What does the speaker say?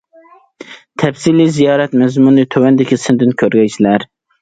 تەپسىلىي زىيارەت مەزمۇنىنى تۆۋەندىكى سىندىن كۆرگەيسىلەر.